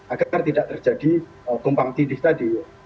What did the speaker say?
agar tidak terjadi gumpang tidih tadi